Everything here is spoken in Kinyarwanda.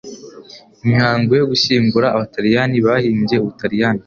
Imihango yo gushyingura abataliyani bahimbye Ubutaliyani